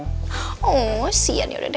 oh sian yaudah deh kamu mandi dulu